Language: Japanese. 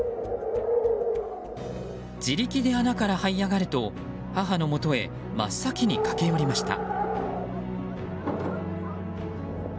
自力で穴からはい上がると母のもとへ真っ先に駆け寄りました。